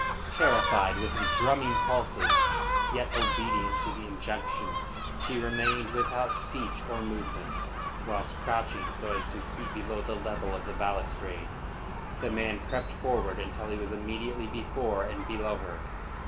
Terrified, with drumming pulses, yet obedient to the injunction, she remained without speech or movement, whilst crouching so as to keep below the level of the balustrade the man crept forward until he was immediately before and below her.